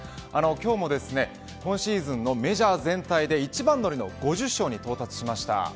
今日も今シーズンのメジャー全体で一番乗りの５０勝に到達しました。